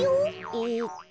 えっと